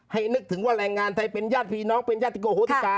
นึกถึงว่าแรงงานไทยเป็นญาติพี่น้องเป็นญาติโกโหติกา